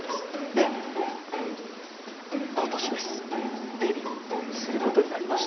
で、今年ですデビューすることになりました。